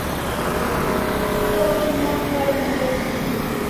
Saw thi nat karin dai